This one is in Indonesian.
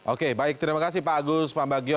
oke baik terima kasih pak agus pak bagio